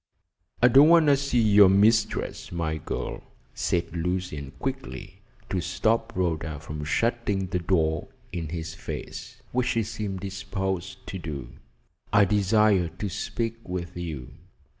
"I don't want to see your mistress, my girl," said Lucian quickly, to stop Rhoda from shutting the door in his face, which she seemed disposed to do. "I desire to speak with you."